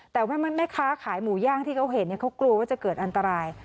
แต่ว่าแม่ค้าขายหมูย่างที่เขาเห็นเขากลัวว่าจะเกิดอันตราย